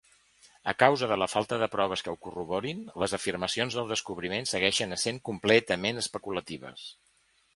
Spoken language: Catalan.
A causa de la falta de proves que ho corroborin, les afirmacions del descobriment segueixen essent completament especulatives.